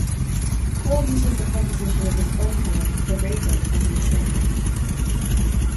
Poe uses the composition of his own poem "The Raven" as an example.